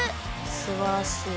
すばらしい。